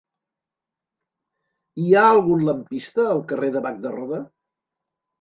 Hi ha algun lampista al carrer de Bac de Roda?